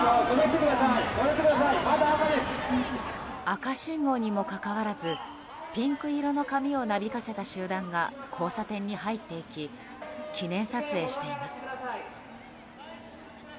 赤信号にもかかわらずピンク色の髪をなびかせた集団が交差点に入っていき記念撮影しています。